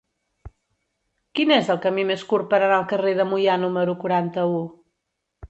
Quin és el camí més curt per anar al carrer de Moià número quaranta-u?